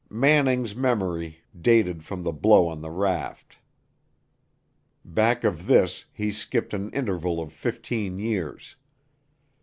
Manning's memory dated from the blow on the raft. Back of this he skipped an interval of fifteen years.